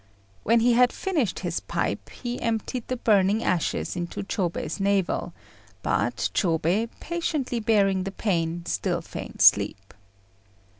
When he had finished his pipe, he emptied the burning ashes into Chôbei's navel; but Chôbei, patiently bearing the pain, still feigned sleep.